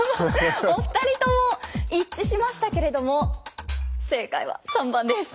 お二人とも一致しましたけれども正解は３番です。